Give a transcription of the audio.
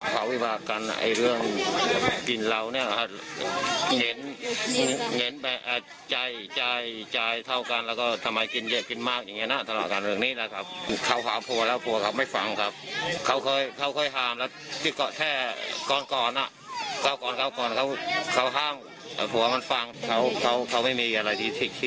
ที่จะพูดกับใครแทนพวกเราเพราะว่าเขาผิดหวังมาก